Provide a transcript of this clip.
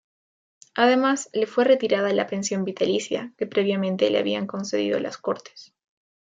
Además, le fue retirada la pensión vitalicia que previamente le habían concedido las Cortes.